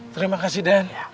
terima kasih den